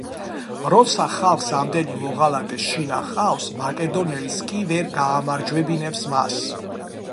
როცა ხალხს ამდენი მოღალატე შინა ჰყავს, მაკედონელიც კი ვერ გაამარჯვებინებს მას.